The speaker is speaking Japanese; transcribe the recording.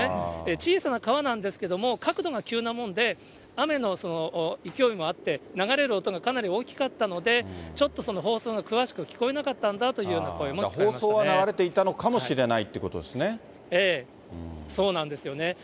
小さな川なんですけども、角度が急なもんで、雨の勢いもあって、流れる音がかなり大きかったので、ちょっと放送が詳しく聞こえなかったんだというような声も聞かれ放送は流れていたのかもしれそうなんですよね。